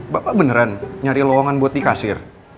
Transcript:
bapak beneran nyari lowongan buat di kasir